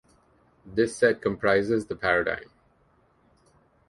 This set comprises the paradigm.